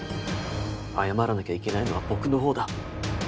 謝らなきゃいけないのは僕の方だ。